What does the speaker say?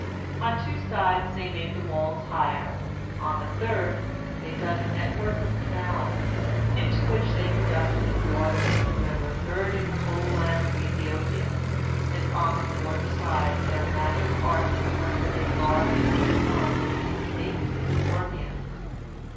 On two sides they made the walls higher, on the third they dug a network of canals, into which they conducted the waters of the river girding the whole land of Ethiopia, and on the fourth side their magic arts collected a large swarm of snakes and scorpions.